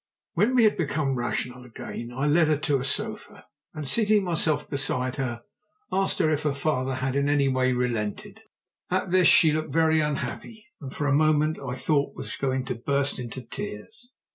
When we had become rational again I led her to a sofa, and, seating myself beside her, asked if her father had in any way relented. At this she looked very unhappy, and for a moment I thought was going to burst into tears.